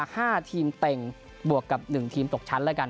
ห้าทีมเต็งบวกกับหนึ่งทีมตกชั้น